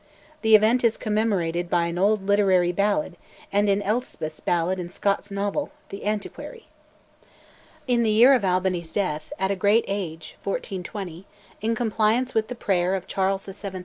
The event is commemorated by an old literary ballad, and in Elspeth's ballad in Scott's novel, 'The Antiquary.' In the year of Albany's death, at a great age (1420), in compliance with the prayer of Charles VII.